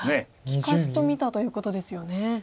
利かしと見たということですよね。